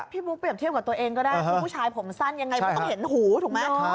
บุ๊กเรียบเทียบกับตัวเองก็ได้คุณผู้ชายผมสั้นยังไงเพราะต้องเห็นหูถูกไหม